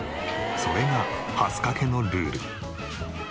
それが蓮香家のルール。